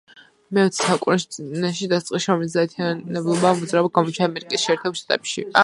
მეოცე საუკუნეში დასაწყისში, ორმოცდაათიანელობა მოძრაობა გამოჩნდა ამერიკის შეერთებულ შტატებში.